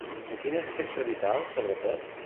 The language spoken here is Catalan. En quin aspecte vital, sobretot?